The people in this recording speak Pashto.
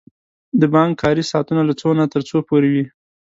د بانک کاری ساعتونه له څو نه تر څو پوری وی؟